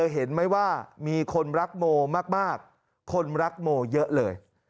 เห็นไหมว่ามีคนรักโมมากคนรักโมเยอะเลย